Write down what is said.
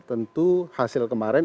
tentu hasil kemarin